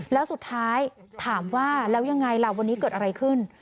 แล้วสุดท้ายถามว่าแล้วยังไงล่ะวันนี้เกิดอะไรขึ้น